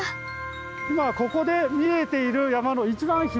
今ここで見えている山の一番左。